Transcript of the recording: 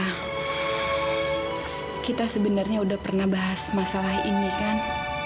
nah kita sebenarnya udah pernah bahas masalah ini kan